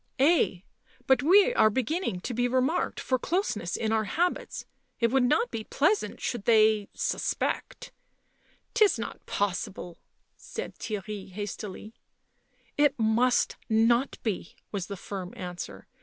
" Ay, but we are beginning to be remarked for close ness in our habits. It would not be pleasant should they — suspect." " 'Tis not possible," said Theirry, hastily. " It must not be," was the firm answer.